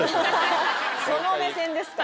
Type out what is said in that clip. その目線ですか。